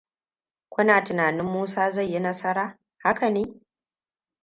Kuna tunanin Musa zai yi nasara, haka ne?